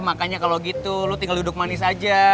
makanya kalau gitu lu tinggal duduk manis aja